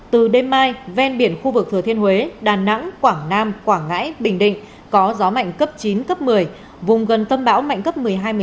từ đêm mai ven biển khu vực thừa thiên huế đà nẵng quảng nam quảng ngãi bình định có gió mạnh cấp chín cấp một mươi vùng gần tâm bão mạnh cấp một mươi hai một mươi năm